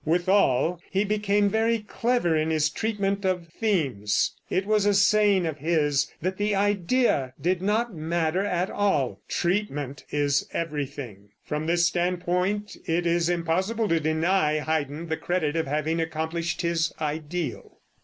Withal he became very clever in his treatment of themes. It was a saying of his that the "idea" did not matter at all; "treatment is everything." From this standpoint it is impossible to deny Haydn the credit of having accomplished his ideal.